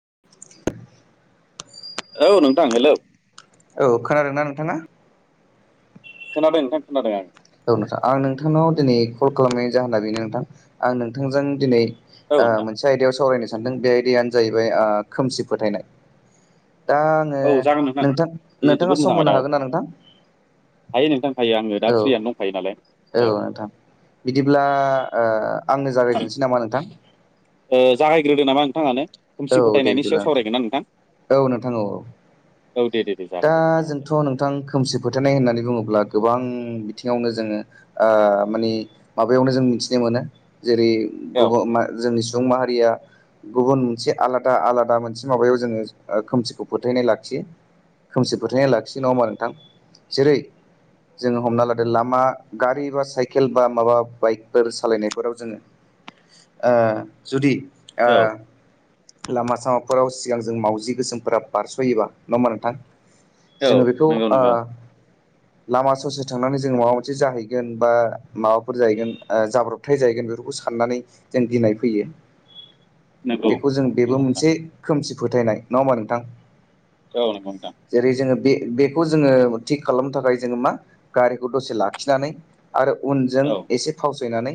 [unintelligible] औ नोंथां हेलौ औ खोनादोंना नोंथाङा? खोनादों नोंथां खोनादों आं। औ नोंथां आं नोंथांनाव दिनै कल खालामनायनि जाहोना बेनो नोंथां आं नोंथांजों दिनै औ ओ नोंथां मोनसे आयदायाव सावरायनो सानदों बे आयदायानो जाहैबाय ओ खोमसि फोथायनाय। दा आङो औ जागोन नोंथां बे जोबोद नोंथाङा मोजां सम आयदा होनो औ हागोन ना नोंथां। हायो नोंथां हायो आङो दा औ फ्रियानो दं। औ नोंथां बिदिब्ला ओ। आंनो ओ जागायजेनसै नामा नोंथां जागायग्रोदो नामा नोंथाङानो। औ खोमसि दे फोथायनायनि बिदिब्ला सायाव सावरायगोन ना नोंथां औ नोंथां औ-औ। औ दे दे दे दा जागोन दे नोंथां जोंथ' नोंथां खोमसि फोथायनाय होननानै बुङोब्ला। गोबां बिथिङावनो जोङो ओ माने माबायावनो जों मिथिनो मोनो। जेरै-ग औ बा मा जोंनि सुबुं माहारिया। गुबुन मोनसे आलादा आलादा मोनसे माबायाव जोङो खोमसिखौ फोथायनाय लाखियो। खोमसि फोथायनाय लाखियो नङा होमबा नोंथां जेरै जोङो हमना लादो लामा गारि बा साइकेल बा माबा बाइकफोर सालायनायफोराव जोङो। ओ जुदि ओ औ लामा सामा फोराव सिगां जों मावजि गोसोमफोरा बारस'योबा नङा होमबा नोंथां। औ जोङो बेखौ नंगौ ओ नंगौ लामा ससे थांनानै जों माबा मोनसे जाहैगोन बा माबाफोर जाहैगोन जाब्रबथाय जाहैगोन बे खौ साननानै जों गिनाय फैयो नंगौ बेखौ जों नंगौ बेबो नोंथां मोनसे खोमसि फोथायनाय नङा होमबा नोंथां औ नंगौ नोंथां जेरै जोङो बे-बेखौ जोङो थिग खालामनो थाखाय जोङो मा गारिखौ दसे लाखिनानै आरो उनजों औ एसे फावस सायनानै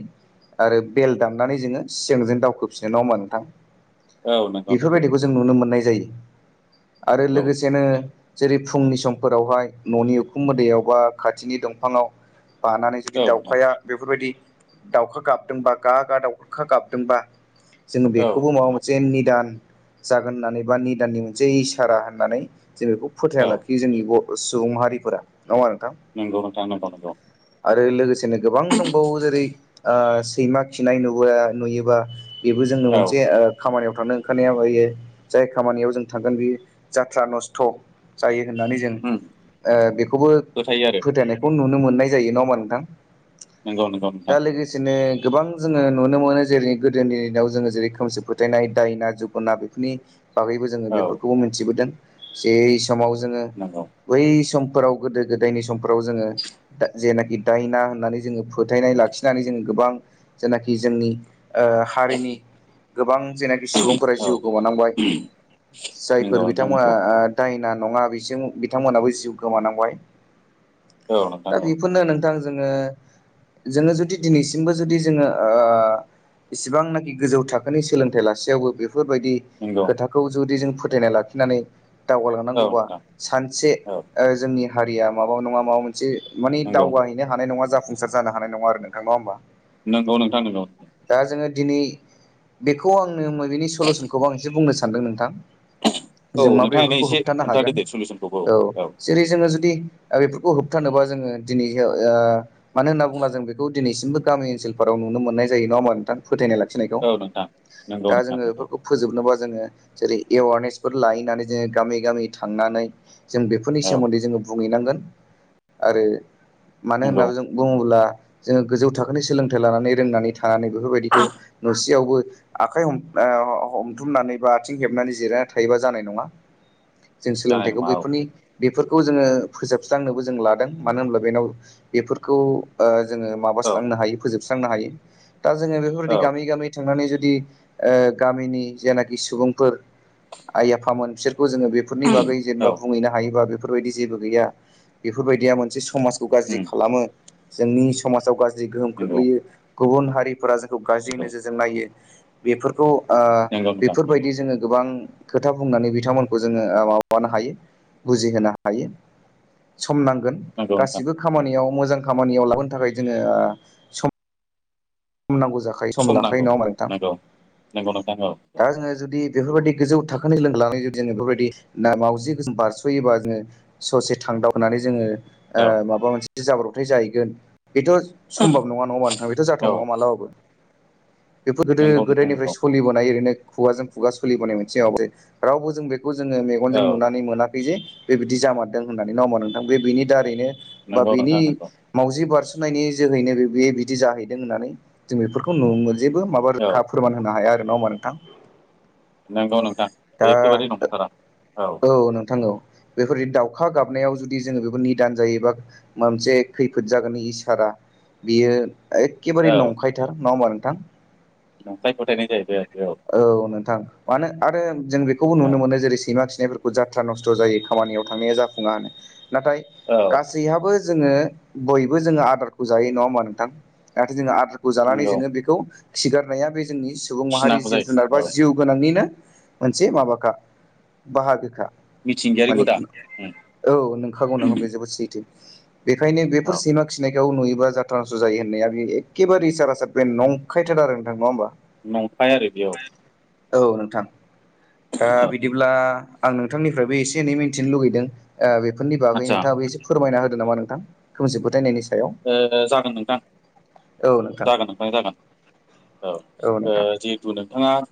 आरो बेल दामनानै जोङो सियांजों दावखोफिनो नङा होमबा नोंथां। औ नंगौ नंगौ औ बेफोरबायदिखौ जों नुनो मोननाय जायो आरो लोगोसेनो जेरै फुंनि समफोरावहाय न'नि उखुम मुदायावबा खाथिनि दंफाङाव बानानै जुदि नोंथां दाउखाया बेफोरबायदि दाउखा गाबदोंबा गा गा दाउखा गाबदोंबा जोङो बेखौबो औ नोंथां औ माबा मोनसे निदान जागोन होननानै बा निदाननि मोनसे इसारा होननानै जों बेखौ फोथायना लाखियो जोंनि ब र' सुबुं माहारिफोरा नोंगौ नोंथां नोंगौ नोंगौ आरो लोगोसेनो गोबां दंबावो जेरै ओ सैमा खिनाय नुबोआ नुयोबा बेबो जोंनो औ मोनसे ओ खामानियाव थांनो ओंखारनायावहायो जाय खामानियाव जों थांगोन बेयो जाथ्रा नस्थ' जायो। होननानै जों उम ओ बेखौबो फोथायो आरो फोथायनायखौ नुनो मोननाय जायो ना होमबा नोंथां नंगौ नंगौ दा नोंथां लोगोसेनो गोबां जोङो नुनो मोनो जेरै गोदोनि दिनाव जोङो जेरै खोमसि फोथायनाय दायना जगुना बेफोरनि बागैबो जोङो औ बेफोरखौबो मोन्थिबोदों जे समाव जोङो नंगौ बै सम फोराव गोदो गोदायनि समफोराव जोङो दा जेनाखि दायना होननानै जोङो फोथायनाय लाखिनानै जोङो गो बां जेनाखि जोंनि ओ हारिनि गोबां जेनाखि सुबुंफोरा औ जिउ गोमानांबाय नंगौ जायफोर नोंथां बिथांमोना नंगौ ओ दाइन नङा बिसजों बिथांमोनाबो जिउ गोमानांबाय औ नोंथां दा औ बेफोरनो नोंथां। जोङो जोङो जुदि दिनैसिमबो जुदि जोङो ओ इसिबांनाखि गोजौ थाखोनि सोलोंथाइ लासेयावबो बे फोरबायदि नंगौ खोथाखौ जुदि जों फोथथायनाय लाखिनानै दावगालांना औ गौवा नोंथां सानसे औ ओ जोंनि हारिया माबा नङा माबा मोन से माने नंगौ दावगाहैनो हानाय नङा जाफुंसार जानो हानाय नङा आरो नोंथां नङा होमबा नोंगौ नोंथां नोंगौ दा जोङो दिनै बेखौ आंनो मैबेनि सलुसनखौबो आं एसे बुंनो सानदों नोंथां औ जों माबोरै नोंथाङा [unintelligible] बेफोरखौ एसे। होबथानो खोन्थादो हागोन दे सलुसनखौबो औ जेरै जोङो जुदि आरो बेफोरखौ होबथानोबा जोङो दिनै मानो होनना बुंब्ला जों बेखौ दिनैसिमबो गामि ओनसफोराव नुनो मोननाय जायो नङा होनबा नोंथां फोथायनाय ला खिनायखौ औ नोंथां नंगौ दा नोंथां जोङो नंगौ बेफोरखौ फोजोबनोबा जोङो जेरै एवारनेसफोर लायनानै जोङो गामि गामि थांनानै जों बेफोरनि औ सोमोन्दै जोङो बुंहैनांगोन आरो मानो नंगौ होननानै जों बुङोब्ला जोङो गोजौ थाखोनि सोलोंथाइ लानानै रोंनानै थायो थानानै बेफोरबायदिखौ नुसेयावबो आखाइ हमथुमनानै बा आथिं हेबनानै जिरायनानै थायोबा जानाय नङा जों जानाय सोलोंथाइखौ नङा औ बैफोरनि बेफोरखौ जोङो फोजोबस्रांनोबो जों लादों मानो होनब्ला बेनाव बेफोरखौ औ मनोनो ह जफोर औ ग गनानै ज [unintelligible] कि गामिनि जेनाखि सुबुंफोर आइ आफामोन बिसोरखौ जोङो बरफोरनि बागै जेब्ला औ बुंहैनो हायो बा बेफीरबायदि जेबो गैया बेफोरबायदिया मोनसे सुख समाजखौ गाज्रि उम खालामो जोंनि समाजाव गाज्रि गोहोम नंगौ खोख्लैयो गुबुन हारिफोरा जों गाज्रि नंगौ नोजोरजों नायो बेफोरखौ ओ नंगौ नोंथां बेफोरबायदि जोङो गोबां खोथा बुंनानै बिथांमोनखौ जोङो माबानो हायो बुजिहोनो हायो सम नांगोन नंगौ नोंथां गासिबो खामानियाव मोजां खामानियाव लाबोनो थाखाय जोङो सम सम नांगौ जाखायो सम लाखायो नांगौ नङा मारैथां नंगौ नंगौ नोंथां औ दा जोङो जुदि बेफोरबायदि गोजौ थाखोनि लोगो लानानै जुदि जोङो बेफोरबायदि ना मावजि गोसोम बारसयोबा जोङो ससे थां दावगानानै जोङो ओ औ माबा मोनसे जाब्रबथाय जाहैगोन बेथ सम्भब नङा नङबा नोंथां बेथ जाथ थ औ नङा मालाबाबो बेफोर गोदो नंगौ नोंथां गोदायनिफ्राय नंगौ सोलिबोनाय ओरैनो खुगाजों खुगा सोलिबोनाय मोनसे रावबो जों बे बेखौ जोङो मेगनजों औ नुनानै मोनाखै जे बेबायदि जामारदों होननानै नबा नोंथां बे बेनि दारैनो बा नंगौ बेनि नोंथां नंगौ मावजि बारसनायनि जोहैनो बे बे बिदि जाहैदों दों होननानै जों बेफोरखौ नु जेबो माबा औ रोखा फोरमान होनो हाया आरो ना हा नोंथां नोंगौव नोंथा बे दा एखेबारि नंथारा औ नों नंगौ बेफोरबायदि दाउखा गाबनायाव जुदि जोङो बेखौ निदान जायोबा मोनसे खैफोद जागोन इसारा बियो एखेबारे औ नंखायथार नङा होमबा नोंथां [unintelligible] औ नोंथां मानो आरो जों बेखौबो औ नुनो मोनो जेरै सैमा [unintelligible] जात्रा नस्त जायो खामानिआव थांनाया जाफुङा नाथाय औ गासैहाबो जोंओ बयबो जों आदारखौ जायो नङा होमा नोंथां आरो जोंओ खौ जानानै नंगौ जोङो बेखौ खिगारनाया बे जोंनि सुबुं माहारि खिनांगौ जिब जुनार बा जायो औ जिउ गोनांनिनो मोनसे माबाखा बाहागोखा मिथिंगायारि माने हुदा उम औ नोंंखागौ न बे जोबोद सैथो बेखायनो बेफोर सैमा खिनायखौ नुयो जाथारनसथ जायो होननाया एखेबारे सारासार बे नंखायथार आरो नोंथां नङा होमबा नंखाय आरो बेयाव औ नोंथां ओ बिदिब्ला आं नोंथांनिफ्रायबो एसे एनै मिन्थिनो लुगैदों ओ बेफोरनि बागै आदसा नोंथाङाबो एसे फोरमायना होदो नामा नोंथां खोमसि फथायनायनि ओ-ओ जागोन नोंथां जागोन नोंथां जागोन औ ओ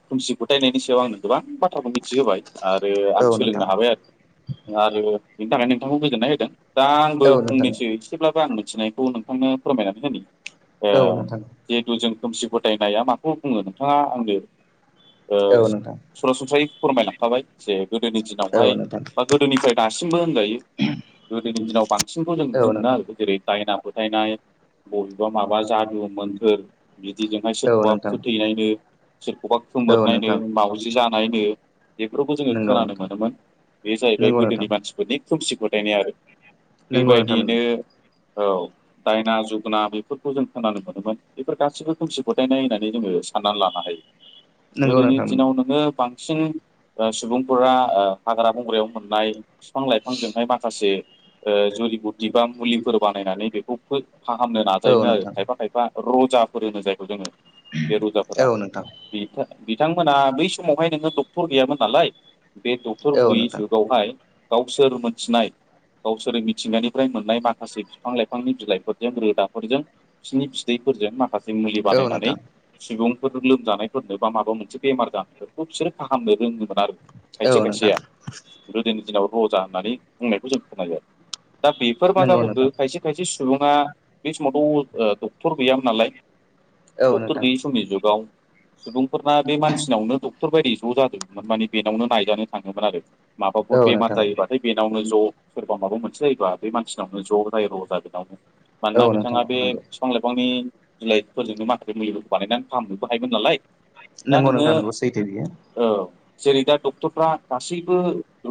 फोथायनायनि सायाव आंनो गोबां बाथ्राखौ मिथिहोबाय आरो आं औ सोलोंनो नोंथां हाबाय आरो आरो बेनि थाखाय नोंथांखौ गोजोननाय होदों दा आंबो औ नोंथां फंनैसो एसेब्लाबो आं मिथिनाय खौ नोंथांनो फोरमायनानै होनो औ ओ नोंथां जिहेथु जों खोमसि फोथायनाया माखौ बुङो नोंथाङा आंनो औ नोंथां औ नोंथां सरासनस्रायै फोरमायलांखाबाय जे गोदोनि औ दिनावहाय नोंथां बा गोदोनिफ्राय दासिमबो होनजायो गोदोनि दिनाव बांसिनखौ जों नुनो मोनो आरो जेरै दायना फोथायनाय बबेबा माबा जादु मोनथोर बिदिजोंहाय औ सोरखौबा नोंथां फोथैनायनो, सोरखौबा औ खोमोरनायनो, नोंथां मावउजि जानायनो बेफोरखौ जोङो नंगौ खोनानो नोंथां मोनोमोन बे जाहैबाय नंगौ गोदोनि नोंथां मानसिफोरनि खोमसि फोथायनाय आरो। नंगौ नोंथां नंगौ बेबायदियैनो औ। दायना जुोगना बेफोरखौ जों खोनानो मोनोमोन बेफोर गासैबो खोमसि फोथायनाय होननानै जोङो साननानै लानो हायो। नोंगौ गोदोनि नोंथां दिनाव नंगौ नोङो सिन बा सुबुंफोरा ओ हाग्रा बंग्रायाव मोननाय फिफां लाइफांजोंहाय माखासे ओ जुलि बुटि बा मुलिफोर बानायनानै बेखौ फो फाहामनो औ नाजायोमोन आरो नोंथां खायफा खायफा। रजाफोर होनो जायखौ जोङ, बे रजाफोरा औ नोंथां बे बिथांमोना बै समावहाय नोङो डक्टर गैयामोन नालाय, बे डक्टर औ गैयि नोंथां जुगावहाय गावसोर मोनथिनाय गावसोर मिथिंगानिफ्राय मोननाय माखासे फिफां लाइफांनि बिलाइ फोरजों, रोदाफोरजों बिनि फिदैफोरजों माखासे मुलि औ बानायनानै नोंथां सिबुं फोरनो लोमजानायफोरनो बा माबा मोनसे बेमार जानायफोरखौ बिसोरो फाहामनो रोङोमोन आरो। औ खायसे नोंथां खायसेया गोदोनि दिनाव रजा होननानै बुंनायखौ जों खोनायो, दा बेफोर मा नंगौ जाबोखो नोंथां खायसे खायसे सु ङा बे समावथ' अ डक्टर गैयामोन नालाय, औ डक्ट'र नोंथां गैयि समनि जुगाव सुबुंफोरना बे मानसिनावनो डक्ट'र बायदि ज' जाजोबोमोन, माने बेनावनो नायजानो थाङोमोन आरो। माबाफोर औ बेमार नोंथां जायोबाथाय बेनावनो ज'। सोरबा माबा मोनसे जायोबा बे मानसिनावनो ज' जायोबा अजा बेनावनो। औ मानोना नोंथां बिथाङा औ बे नंगौ फिफां लाइफांनि बिलाइफोरजोंनो माखासे मुलिफोरखौ बानायनानै फाहामनोबो हायोमोन नालाय। दा नंगौ नोङो, नोंथां नंगौ सैथो बियो औ। जेरै दा डक्ट'रफ्रा गासैबो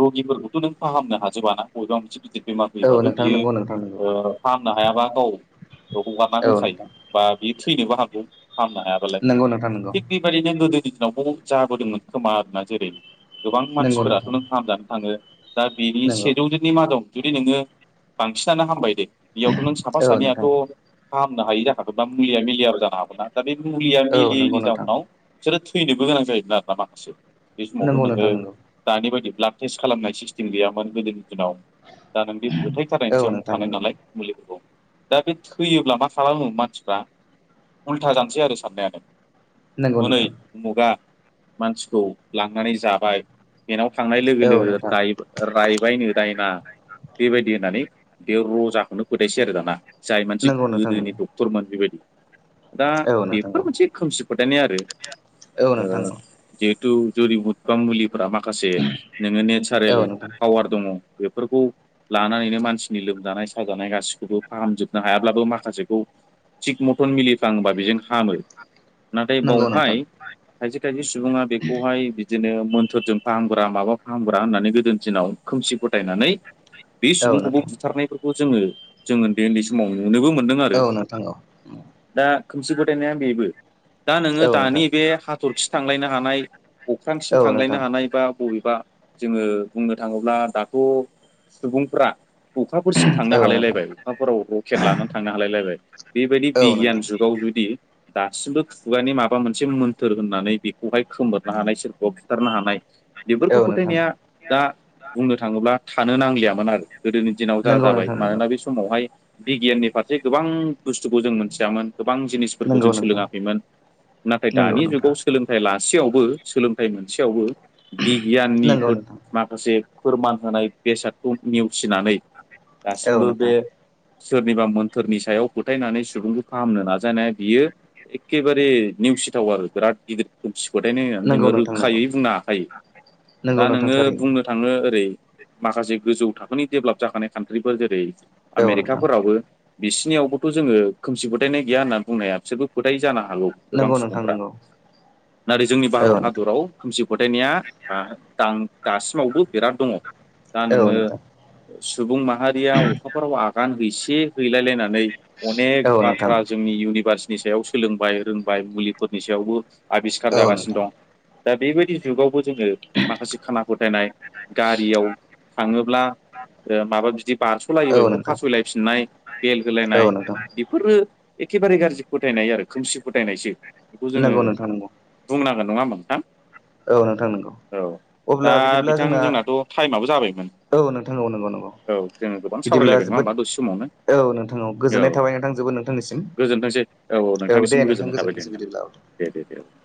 रगिफोरखौथ' नों फाहामनो हाजोबाना। बबेबा मोनसे बेमार औ फैबाथ' नोंथां बियो नंगौ नोंथां नंगौ ओ फाहाम नो हायाबा गाव ओ हगारना औ होखायो नोंथां बा बे थैनोबो हागौ। फाहामनो हायाबालाय नंगौ नोंथां नंगौ थिग, बेबायदिनो गोदोनि दिनावबो जाबोदोंमोन खोमा आरोना। जेरै गोबां नंगौ मानसिफोराथ' नोंथां नों फाहामजानो थाङो। दा बिनि नंगौ सेजौजोननि मादाव जुदि नोङो बांसिनानो हामबाय दे। बेयावथ' नों साफा औ सानैयाथ' नोंथां फाहामनो हायि जाखागोन ना मुलिया मिलियाबो जानो हागौ ना, दा बे मुलिया औ नंगौ मिलियैनि नोंथां जाउनाव बिसोरो थैनोबो गोनां जायोमोन ना माखासे। बे समावथ' नंगौ नोङो नोंथां नंगौ दानि बायदि ब्लाड टेस्ट खालामनाय सिस्टिम गैयामोन गोदोनि दिनाव। दा नों बे फोथायथारनायनि औ सायावनो नोंथां थानाय नंगौ नालाय। दा बे थैयोब्ला मा खालामो मानसिफ्रा उल्था जानोसै आरो साननायानो। नंगौ हनै नोंथां उमुगा मानसिखौ लांनानै जाबाय, बेनाव थांनाय लोगो औ लोगो नोंथां दाय रायबायनो दायना, बेबायदि होननानै बे रजा खौनो फोथायसै आरो दाना। जाय मानसि नंगौ नोंथां गोदोनि डक्ट'रमोन बेबायदि। दा औ नोंथां बेफोर मोनसे खोमसि फोथायनाय आरो। औ नोंथां ओ जिहेथु जुरि हुदखां मुलिफोरा माखासे नोङो औ नेचारेल नोंथां पावार दङ। बेफोरखौ लानानैनो मानसिनि लोमजानाय साजानाय गासिखौबो फाहामजोबनो हायाब्लाबो माखासेखौ थिग मथन मिलिफ्लांबा बेजों हामो। नाथाय नंगौ नोंथां बावहाय खायसे खायसे सुबुङा बेखौहाय बिदिनो मोन्थोरजों फाहामग्रा, माबा फाहामग्रा होननानै गोदोनि दिनाव खोमसि फोथायनानै बे औ सुबुंखौबो नोंथां बुथारनायफोरखौ जोङो जों ओन्दै ओन्दै समाव नुनोबो मोनदों आरो। औ नोंथां औ दा खोमसि फोथायनाया बेबो। दा नोङो औ दानि नोंथां बे हाथ'रखि थांलायनो हानाय, अख्रांसिम औ थांलायनो नोंथां हानाय बा बबे बा जोङो बुंनो थाङोब्ला दाथ' सुबुंफ्रा अखाफोर थांनो हालाय लायबाय। अखाफोराव रकेट लानानै थांनो हालायलायबाय बेबायदि औ नोंथां औ बिगियान नोंथां जुगाव जुदि दासिमबो खुगानि माबा मोनसे मोन्थोर होननानै बेखौहाय खोमोरनो हानाय सोरखौबा बुथारनो हानाय बेफोरखौ औ नोंथां फोथायनाया दा बुंनो थाङोब्ला थानो नांलियामोन आरो गोदोनि दिनाव जा नंगौ जाबाय। नोंथां नंगौ मानोना बे समावहाय बिगियाननि फारसे गोबां बुस्थुखौ जों मोनथियामोन। गोबां जिनिसफोरखौ नंगौ जों नोंथां सोलोङाखैमोन। नाथाय नंगौ दानि नोंथां जुगाव सोलोंथाइ ला सेयावबो, सोलोंथाइ मोनसेयावबो नंगौ बिगियाननिफोर नोंथां माखासे फोरमान होनाय बेसादखौ नेवसिनानै औ दासिमबो नोंथां बे सोरनिबा मोन्थोरनि सायाव फोथायनानै सुबुंखौ फाहामनो नाजानाया बियो एखेबारे निउस सिथाव आरो बिराद गिदिर मोनसे फोथायनाय होननानै नंगौ जोङो नोंथां नंगौ रोखायै बुंनो हाखायो दा नंगौ नोंथां नोङो थारैनो बुंनो थाङो ओरै माखासे गोजौ थाखोनि डेभेलप जाखानाय कान्ट्रिफोर जेरै औ नोंथां आमेरिकाफोरावबो बिसिनियावबोथ' जोङो खोमसि फोथायनाय गैया होननानै बुंनो हाया बिसोरबो फोथाय जानो हा हागौ गोबां नंगौ नोंथां सुबुंफ्रा नंगौ नाथाय जोंनि औ भारत नोंथां हादराव खोमसि फोथायनाया ओ दासिमावबो बिराद दङ दा औ नोङो नोंथां सुबुं मा माहारियाव अखाफोराव आगान हैसे हैलायलायनानै अनेक औ नोंथां बाथ्रा जोंनि इउनिभारसिटि नि सायाव सोलोंबाय रोंबाय मुलिफोरनि सायावबो आबिस्कखार औ जागासिनो नोंथां दं। दा बेबायदि जुगावबो जोंङो माखासे खाना फोथायनाय गारियाव थाङोब्ला ओ माबा बिदि औ बारस'लायोबा बेखौ नोंथां फासयलायफिननाय बेल औ होलायनाय नोंथां बेफोरो एखेबारे गाज्रि फोथायनाय आरो खोमसि फोथायनायसो बेखौ जोङो नंगौ नोंथां नंगौ बुंना नंङा ओमबा नोंथां? औ नोंथां नंगौ। औ अब्ला दा बिदिब्ला बिथां जोंना जोंनाथ' टाइमाबो जाबायमोन औ नोंथां औ नंगौ नंगौ औ। जोङो गोबां बिदिब्ला सावरायलायबाय नङा जोबोद होमबा दसे समावनो। औ नोंथां औ गोजोननाय थाबाय नोंथां जोबोद नोंथांनिसिम गोजोनथोंसै औ दे नोंथांनिसिमबो नोंथां गोजोननाय थाबाय दे गोजोनथोंसै नोंथां बिदिब्ला दे दे दे औ। [inaudible]